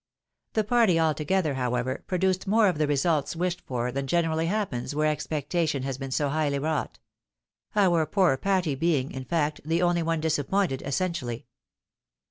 The party altogether, however, produced more of the results EVERYBODY PLEASED. 281 wished for than generally happens where expectation has been so highly wTovight — our poor Patty being, in fact, the only one disappointed essentially.